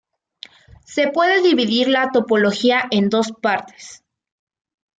Se puede dividir la topología en dos partes.